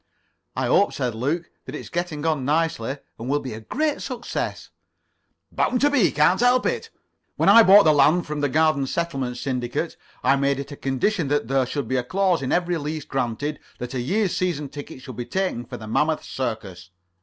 "I hope," said Luke, "that it's getting on nicely, and will be a great success." "Bound to be. Can't help it. When I bought the land from the Garden Settlement Syndicate I made it a condition that there should be a clause in every lease granted that a year's season ticket should be taken for the Mammoth Circus."